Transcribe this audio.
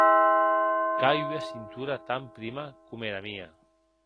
Qu’a ua cintura tan prima coma era mia.